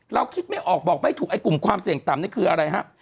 เราคิดไม่ออกบอกไม่ถูกไอ้กลุ่มความเสี่ยงต่ำนี่คืออะไรฮะ